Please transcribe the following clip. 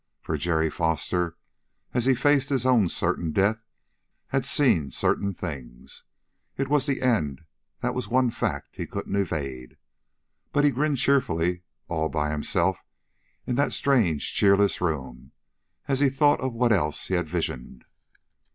For Jerry Foster, as he faced his own certain death, had seen certain things. It was the end that was one fact he couldn't evade. But he grinned cheerfully, all by himself in that strange cheerless room, as he thought of what else he had visioned.